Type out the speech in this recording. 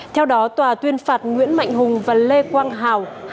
theo đó tòa tuyên phạt nguyễn mạnh hùng và lê quang hào